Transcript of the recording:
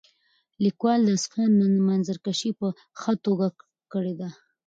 لیکوال د اصفهان منظرکشي په ښه توګه کړې ده.